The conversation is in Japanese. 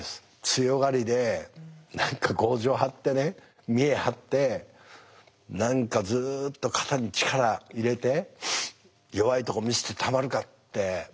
強がりで何か強情張ってね見え張って何かずっと肩に力入れて弱いとこ見せてたまるかって。